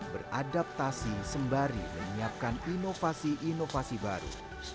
beradaptasi sembari menyiapkan inovasi inovasi baru